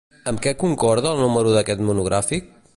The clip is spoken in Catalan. Amb què concorda el número d'aquest monogràfic?